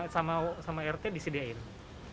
sama rt disediakan